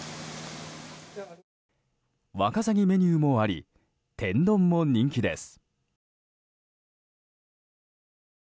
ワカサギメニューもあり天丼も人気です。